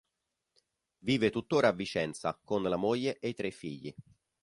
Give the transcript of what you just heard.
Vive tuttora a Vicenza con la moglie e i tre figli.